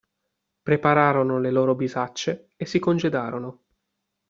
Prepararono le loro bisaccie e si congedarono.